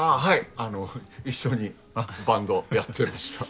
あの一緒にバンドやってました。